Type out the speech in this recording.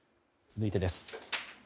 続いてです。